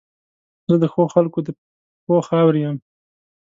زه د ښو خلګو د پښو خاورې یم.